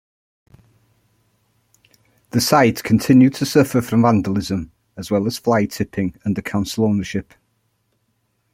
The site continued to suffer from vandalism, as well as fly-tipping, under Council ownership.